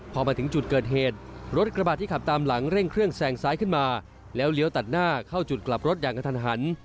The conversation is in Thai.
พอมาถึงจุดเกิดเหตุรถกระบาดที่ขับตามหลังเร่งเครื่องแซงซ้ายขึ้นมาแล้วเลี้ยวตัดหน้าเข้าจุดกลับรถอย่างกระทันหัน